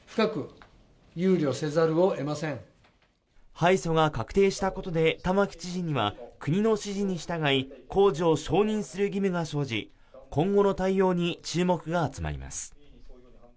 敗訴が確定したことで、玉城知事には国の指示に従い工事を承認する義務が生じ今後の対応に注目が集まります。